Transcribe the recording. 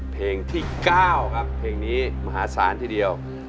เพลงที่๙ครับเพลงนี้มหาศาลทีเดียว